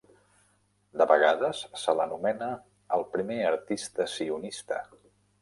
De vegades se l'anomena el primer artista sionista.